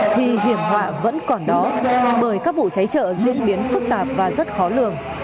thì hiểm họa vẫn còn đó bởi các vụ cháy chợ diễn biến phức tạp và rất khó lường